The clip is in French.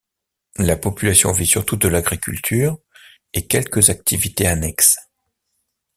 La population vit surtout de l'agriculture et quelques activités annexes.